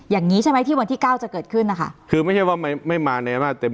อย่างงี้ใช่ไหมที่วันที่เก้าจะเกิดขึ้นนะคะคือไม่ใช่ว่าไม่ไม่มาในอำนาจเต็ม